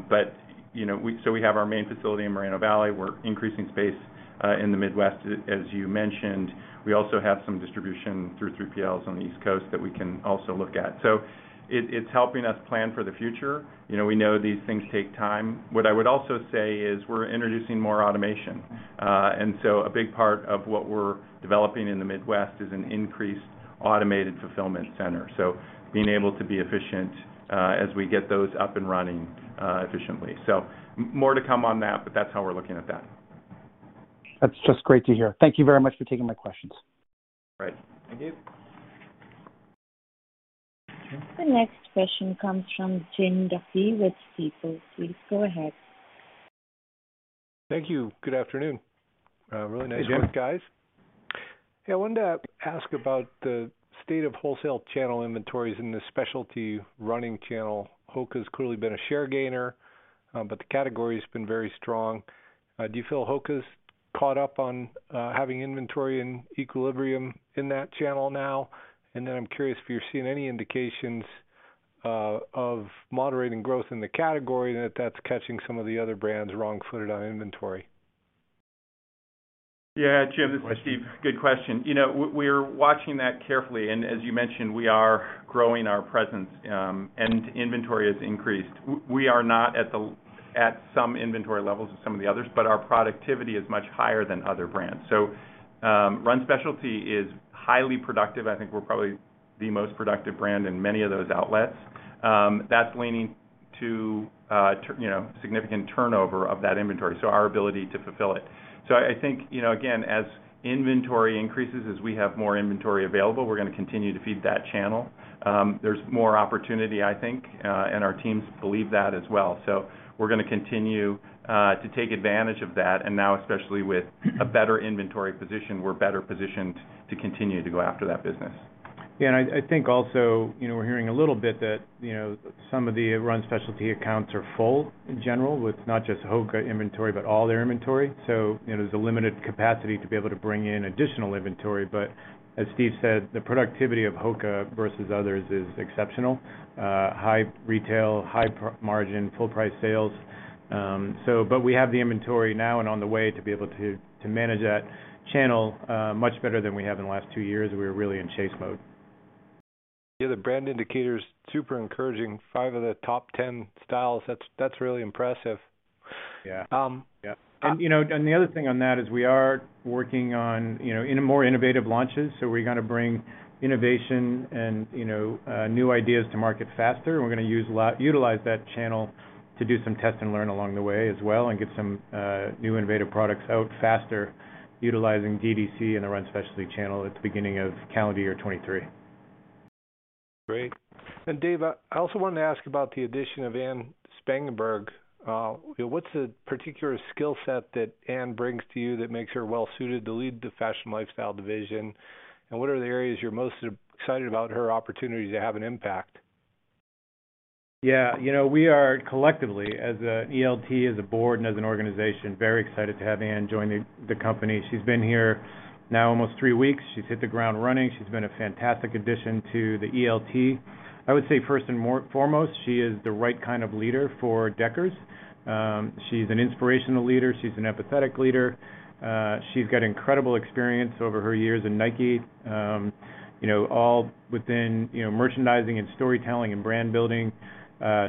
but, you know. We have our main facility in Moreno Valley. We're increasing space in the Midwest, as you mentioned. We also have some distribution through 3PLs on the East Coast that we can also look at. It's helping us plan for the future. You know, we know these things take time. What I would also say is we're introducing more automation. A big part of what we're developing in the Midwest is an increased automated fulfillment center. Being able to be efficient, as we get those up and running, efficiently. More to come on that, but that's how we're looking at that. That's just great to hear. Thank you very much for taking my questions. All right. Thank you. The next question comes from Jim Duffy with Stifel. Please go ahead. Thank you. Good afternoon. Really nice work, guys. Yeah. Yeah, I wanted to ask about the state of wholesale channel inventories in the specialty running channel. HOKA's clearly been a share gainer, but the category's been very strong. Do you feel HOKA's caught up on having inventory and equilibrium in that channel now? I'm curious if you're seeing any indications of moderating growth in the category and if that's catching some of the other brands wrong-footed on inventory. Yeah, Jim, this is Steve. Good question. You know, we're watching that carefully, and as you mentioned, we are growing our presence, and inventory has increased. We are not at some inventory levels of some of the others, but our productivity is much higher than other brands. Run Specialty is highly productive. I think we're probably the most productive brand in many of those outlets. That's leading to significant turnover of that inventory, so our ability to fulfill it. I think, you know, again, as inventory increases, as we have more inventory available, we're gonna continue to feed that channel. There's more opportunity, I think, and our teams believe that as well. We're gonna continue to take advantage of that, and now especially with a better inventory position, we're better positioned to continue to go after that business. Yeah. I think also, you know, we're hearing a little bit that, you know, some of the Run Specialty accounts are full in general with not just HOKA inventory, but all their inventory. You know, there's a limited capacity to be able to bring in additional inventory. As Steven said, the productivity of HOKA versus others is exceptional. High retail, high profit margin, full price sales. We have the inventory now and on the way to be able to manage that channel much better than we have in the last two years. We're really in chase mode. Yeah. The brand indicator is super encouraging. Five of the top 10 styles. That's really impressive. Yeah. You know, the other thing on that is we are working on more innovative launches. We're gonna bring innovation and, you know, new ideas to market faster, and we're gonna utilize that channel to do some test and learn along the way as well and get some new innovative products out faster utilizing DTC and the Run Specialty channel at the beginning of calendar year 2023. Great. Dave, I also wanted to ask about the addition of Anne Spangenberg. What's a particular skill set that Anne brings to you that makes her well suited to lead the fashion lifestyle division? What are the areas you're most excited about her opportunity to have an impact? You know, we are collectively as an ELT, as a board, and as an organization, very excited to have Anne Spangenberg join the company. She's been here now almost three weeks. She's hit the ground running. She's been a fantastic addition to the ELT. I would say first and foremost, she is the right kind of leader for Deckers. She's an inspirational leader. She's an empathetic leader. She's got incredible experience over her years in Nike, you know, all within, you know, merchandising and storytelling and brand building.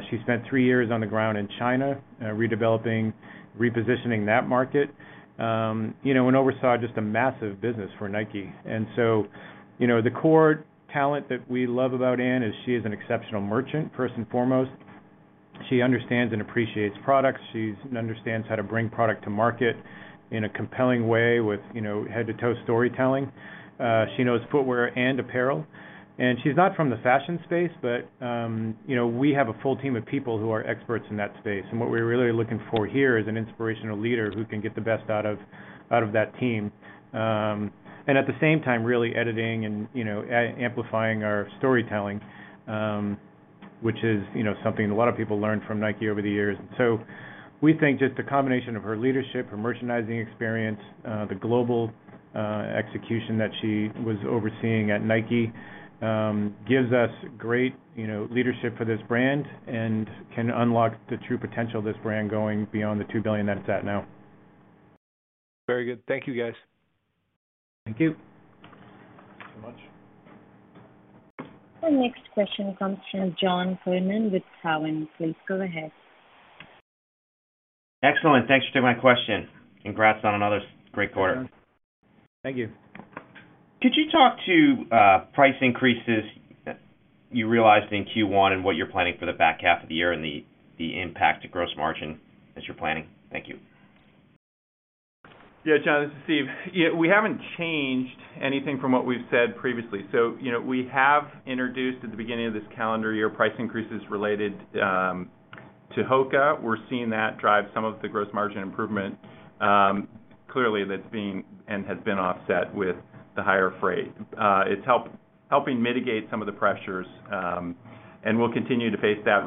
She spent three years on the ground in China, redeveloping, repositioning that market, you know, and oversaw just a massive business for Nike. You know, the core talent that we love about Anne Spangenberg is she is an exceptional merchant, first and foremost. She understands and appreciates products. She understands how to bring product to market in a compelling way with, you know, head-to-toe storytelling. She knows footwear and apparel, and she's not from the fashion space, but, you know, we have a full team of people who are experts in that space. What we're really looking for here is an inspirational leader who can get the best out of that team. At the same time, really editing and, you know, amplifying our storytelling, which is, you know, something a lot of people learned from Nike over the years. We think just a combination of her leadership, her merchandising experience, the global execution that she was overseeing at Nike, gives us great, you know, leadership for this brand and can unlock the true potential of this brand going beyond the $2 billion that it's at now. Very good. Thank you, guys. Thank you. Thanks so much. The next question comes from John Kernan with TD Cowen. Please go ahead. Excellent. Thanks for taking my question. Congrats on another great quarter. Thank you. Could you talk to price increases that you realized in Q1 and what you're planning for the back half of the year and the impact to gross margin as you're planning? Thank you. Yeah, John, this is Steve. Yeah, we haven't changed anything from what we've said previously. You know, we have introduced at the beginning of this calendar year, price increases related to HOKA. We're seeing that drive some of the gross margin improvement. Clearly that's being and has been offset with the higher freight. It's helping mitigate some of the pressures, and we'll continue to face that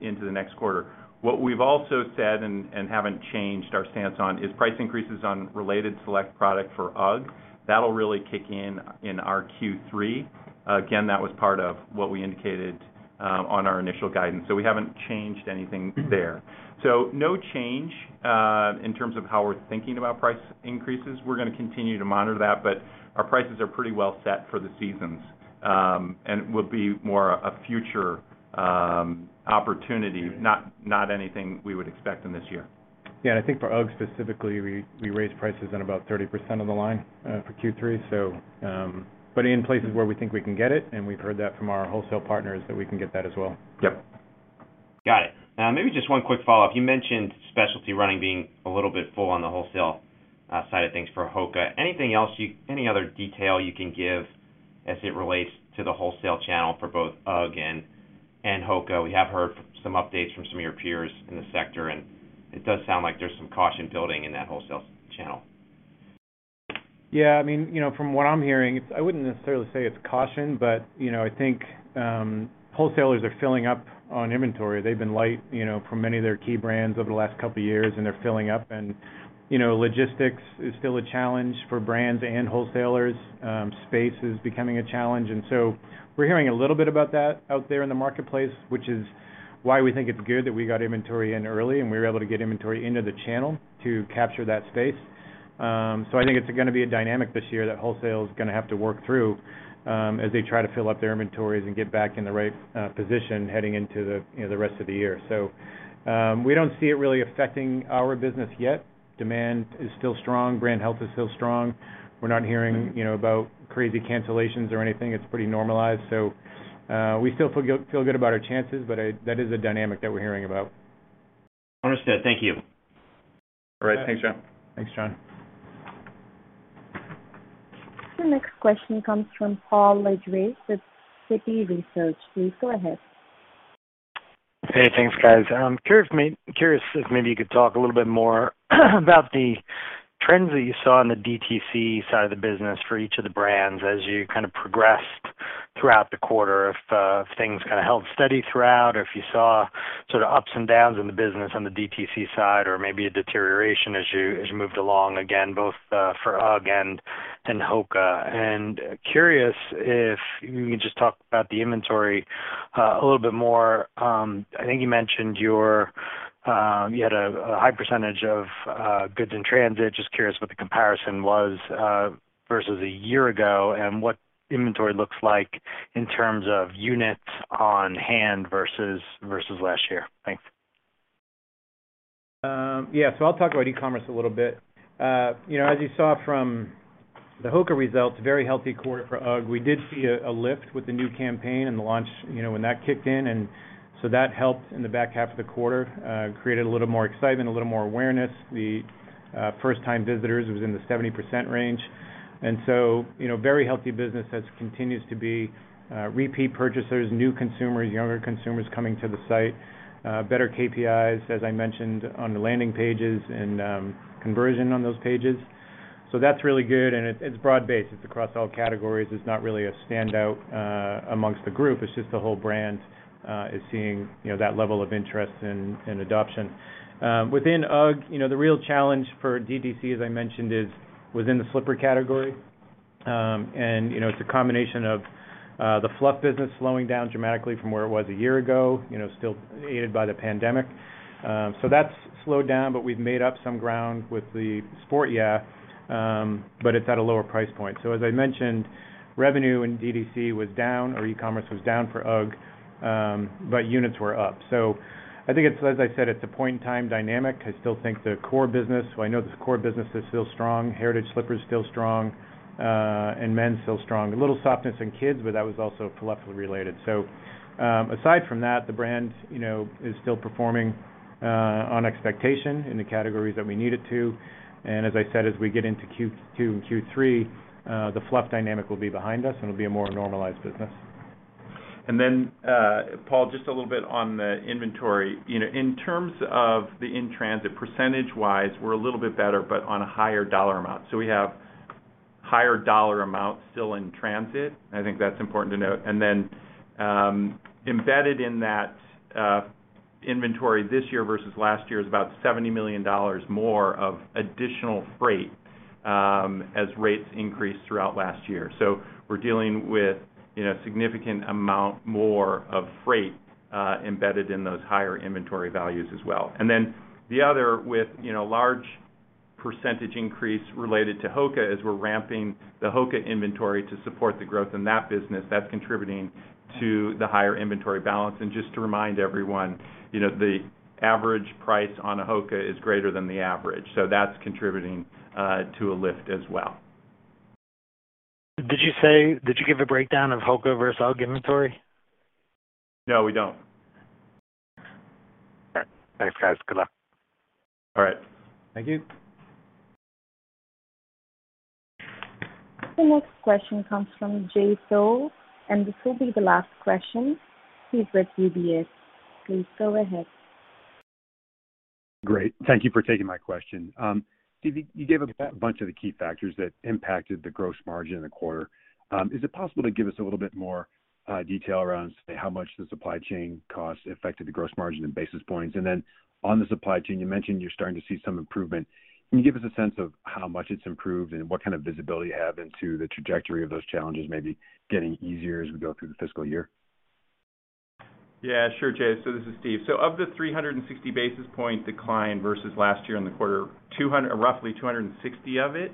into the next quarter. What we've also said and haven't changed our stance on is price increases on related select product for UGG. That'll really kick in in our Q3. Again, that was part of what we indicated on our initial guidance, so we haven't changed anything there. No change in terms of how we're thinking about price increases. We're gonna continue to monitor that, but our prices are pretty well set for the seasons, and will be more a future opportunity, not anything we would expect in this year. I think for UGG specifically, we raised prices on about 30% of the line for Q3. In places where we think we can get it, and we've heard that from our wholesale partners, that we can get that as well. Yep. Got it. Maybe just one quick follow-up. You mentioned specialty running being a little bit full on the wholesale side of things for HOKA. Anything else? Any other detail you can give as it relates to the wholesale channel for both UGG and HOKA? We have heard some updates from some of your peers in the sector, and it does sound like there's some caution building in that wholesale channel. Yeah. I mean, you know, from what I'm hearing, it's. I wouldn't necessarily say it's caution, but, you know, I think wholesalers are filling up on inventory. They've been light, you know, for many of their key brands over the last couple of years, and they're filling up. You know, logistics is still a challenge for brands and wholesalers. Space is becoming a challenge. We're hearing a little bit about that out there in the marketplace, which is why we think it's good that we got inventory in early and we were able to get inventory into the channel to capture that space. I think it's gonna be a dynamic this year that wholesale is gonna have to work through, as they try to fill up their inventories and get back in the right position heading into the, you know, the rest of the year. We don't see it really affecting our business yet. Demand is still strong. Brand health is still strong. We're not hearing, you know, about crazy cancellations or anything. It's pretty normalized. We still feel good about our chances, but that is a dynamic that we're hearing about. Understood. Thank you. All right. Thanks, John. Thanks, John. The next question comes from Paul Lejuez with Citi Research. Please go ahead. Hey, thanks, guys. Curious if maybe you could talk a little bit more about the trends that you saw on the DTC side of the business for each of the brands as you kind of progressed throughout the quarter. If things kind of held steady throughout or if you saw sort of ups and downs in the business on the DTC side or maybe a deterioration as you moved along, again, both for UGG and HOKA. Curious if you can just talk about the inventory a little bit more. I think you mentioned you had a high percentage of goods in transit. Just curious what the comparison was versus a year ago and what inventory looks like in terms of units on hand versus last year. Thanks. Yeah. I'll talk about e-commerce a little bit. You know, as you saw from the HOKA results, very healthy quarter for UGG. We did see a lift with the new campaign and the launch, you know, when that kicked in. That helped in the back half of the quarter, created a little more excitement, a little more awareness. The first-time visitors was in the 70% range. You know, very healthy business as it continues to be, repeat purchasers, new consumers, younger consumers coming to the site. Better KPIs, as I mentioned, on the landing pages and, conversion on those pages. That's really good, and it's broad-based. It's across all categories. It's not really a standout, amongst the group. It's just the whole brand is seeing, you know, that level of interest and adoption. Within UGG, you know, the real challenge for DTC, as I mentioned, is within the slipper category. And, you know, it's a combination of the fluff business slowing down dramatically from where it was a year ago, you know, still aided by the pandemic. So that's slowed down, but we've made up some ground with the Sport Yeah. But it's at a lower price point. So as I mentioned, revenue in DTC was down or e-commerce was down for UGG, but units were up. So I think it's, as I said, it's a point-in-time dynamic. I still think the core business. I know the core business is still strong. Heritage slippers still strong, and men's still strong. A little softness in kids, but that was also Fluff related. Aside from that, the brand, you know, is still performing on expectation in the categories that we need it to. As I said, as we get into Q2 and Q3, the Fluff dynamic will be behind us, and it'll be a more normalized business. Paul, just a little bit on the inventory. You know, in terms of the in-transit percentage-wise, we're a little bit better, but on a higher dollar amount. So we have higher dollar amounts still in transit. I think that's important to note. Embedded in that inventory this year versus last year is about $70 million more of additional freight as rates increased throughout last year. So we're dealing with, you know, significant amount more of freight embedded in those higher inventory values as well. The other with, you know, large percentage increase related to HOKA as we're ramping the HOKA inventory to support the growth in that business. That's contributing to the higher inventory balance. Just to remind everyone, you know, the average price on a HOKA is greater than the average, so that's contributing to a lift as well. Did you give a breakdown of HOKA versus UGG inventory? No, we don't. Thanks, guys. Good luck. All right. Thank you. The next question comes from Jay Sole, and this will be the last question. He's with UBS. Please go ahead. Great. Thank you for taking my question. Steve, you gave a bunch of the key factors that impacted the gross margin in the quarter. Is it possible to give us a little bit more detail around, say, how much the supply chain costs affected the gross margin in basis points? On the supply chain, you mentioned you're starting to see some improvement. Can you give us a sense of how much it's improved and what kind of visibility you have into the trajectory of those challenges maybe getting easier as we go through the fiscal year? Yeah, sure, Jay. This is Steve. Of the 360 basis point decline versus last year in the quarter, roughly 260 of it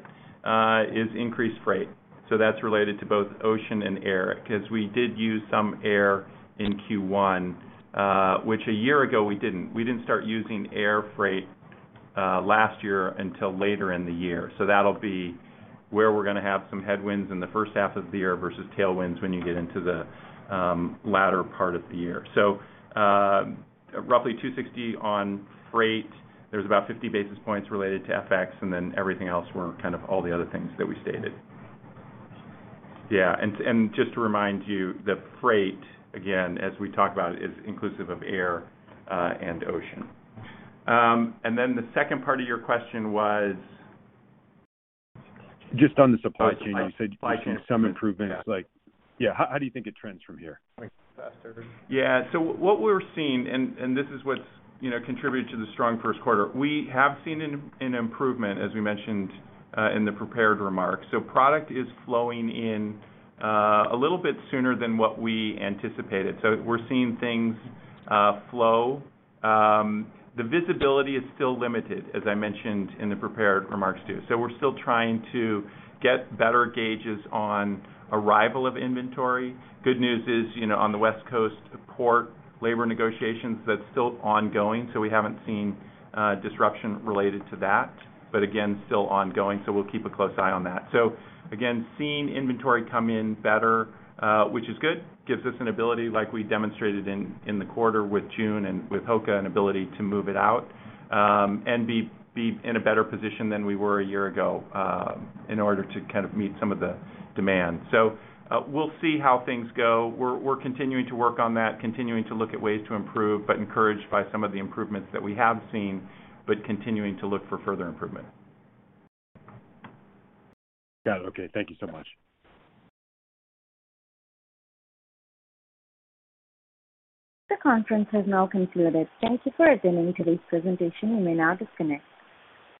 is increased freight. That's related to both ocean and air, 'cause we did use some air in Q1, which a year ago, we didn't. We didn't start using air freight last year until later in the year. That'll be where we're gonna have some headwinds in the first half of the year versus tailwinds when you get into the latter part of the year. Roughly 260 on freight. There's about 50 basis points related to FX, and then everything else were kind of all the other things that we stated. Yeah. Just to remind you, the freight, again, as we talk about, is inclusive of air and ocean. Then the second part of your question was. Just on the supply chain. Oh, supply chain. You said you've seen some improvements, like yeah. How do you think it trends from here? Yeah. What we're seeing, and this is what's, you know, contributed to the strong first quarter, we have seen an improvement, as we mentioned, in the prepared remarks. Product is flowing in a little bit sooner than what we anticipated. We're seeing things flow. The visibility is still limited, as I mentioned in the prepared remarks too. We're still trying to get better gauges on arrival of inventory. Good news is, you know, on the West Coast port labor negotiations, that's still ongoing, so we haven't seen disruption related to that. Again, still ongoing, so we'll keep a close eye on that. Again, seeing inventory come in better, which is good. Gives us an ability like we demonstrated in the quarter with June and with HOKA, an ability to move it out, and be in a better position than we were a year ago, in order to kind of meet some of the demand. We'll see how things go. We're continuing to work on that, continuing to look at ways to improve, but encouraged by some of the improvements that we have seen, but continuing to look for further improvement. Got it. Okay, thank you so much. The conference has now concluded. Thank you for attending today's presentation. You may now disconnect.